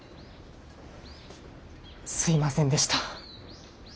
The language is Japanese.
すいませんでした。